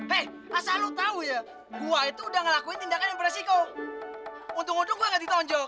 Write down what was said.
hei masa lu tahu ya gua itu udah ngelakuin tindakan yang beresiko untung untung gue gak ditonjol